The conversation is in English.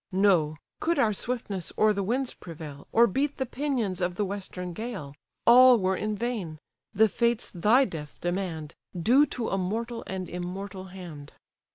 No—could our swiftness o'er the winds prevail, Or beat the pinions of the western gale, All were in vain—the Fates thy death demand, Due to a mortal and immortal hand."